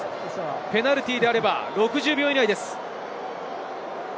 ペナルティーであれば６０秒以内です。